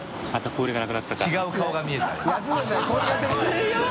強い！